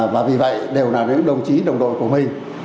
và vì vậy đều là những đồng chí đồng đội của mình